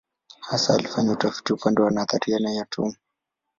Hasa alifanya utafiti upande wa nadharia ya atomu.